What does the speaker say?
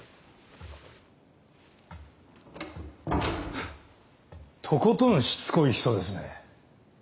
フッとことんしつこい人ですね。